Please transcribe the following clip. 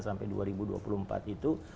sampai dua ribu dua puluh empat itu